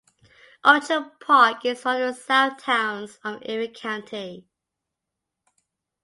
Orchard Park is one of the "Southtowns" of Erie County.